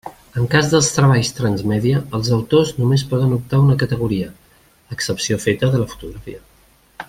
En cas dels treballs transmèdia, els autors només poden optar a una categoria, excepció feta de la fotografia.